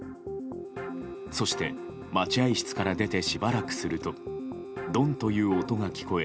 そして、待合室から出てしばらくするとドンという音が聞こえ